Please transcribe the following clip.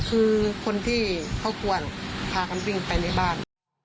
คือคนที่เขาควรพากันวิ่งไปในบ้าน